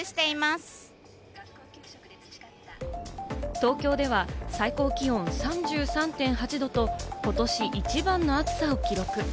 東京では最高気温３３．８度と、ことし一番の暑さを記録。